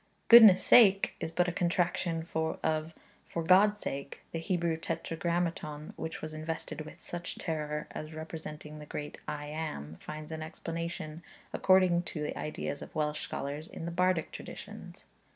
'Goodness' sake' is but a contraction of 'For God's sake!' The Hebrew tetragrammaton which was invested with such terror, as representing the great 'I am,' finds an explanation, according to the ideas of Welsh scholars, in the Bardic traditions.